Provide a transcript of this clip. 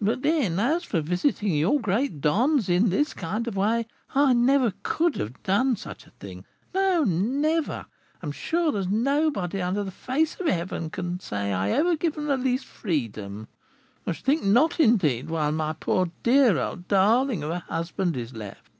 But then, as for visiting your great dons in this kind of way, I never could have done such a thing. No, never! I am sure there is nobody under the face of heaven can say I ever give them the least freedom, I should think not, indeed, while my poor dear old darling of a husband is left."